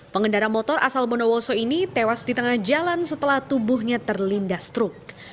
pengendara motor asal bondowoso ini tewas di tengah jalan setelah tubuhnya terlindas truk